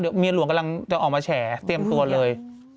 เดี๋ยวเมียหลวงกำลังจะออกมาแฉเตรียมตัวเลย